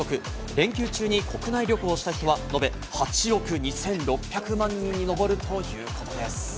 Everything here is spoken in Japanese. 連休中に国内旅行をした人は延べ８億２６００万人に上るということです。